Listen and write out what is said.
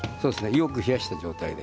よく冷やした状態で。